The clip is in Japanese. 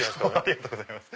ありがとうございます。